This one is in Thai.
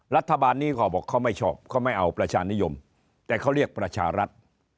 รัฐบาลนี้ก็บอกเขาไม่ชอบเขาไม่เอาประชานิยมแต่เขาเรียกประชารัฐ